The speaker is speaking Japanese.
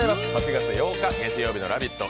８月８日月曜日の「ラヴィット！」